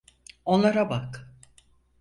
Onlara bak.